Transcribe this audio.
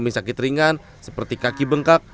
memiliki sakit ringan seperti kaki bengkak